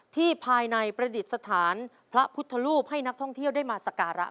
ภายในประดิษฐานพระพุทธรูปให้นักท่องเที่ยวได้มาสการะ